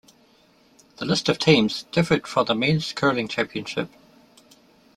The list of teams differed from the Men's Curling Championship.